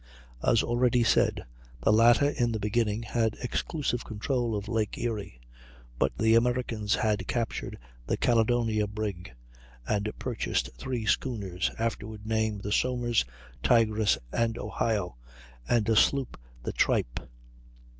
As already said, the latter in the beginning had exclusive control of Lake Erie; but the Americans had captured the Caledonia, brig, and purchased three schooners, afterward named the Somers, Tigress, and Ohio, and a sloop, the Trippe.